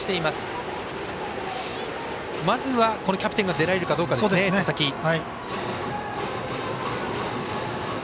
まずは、キャプテンが出られるかどうかですね、佐々木。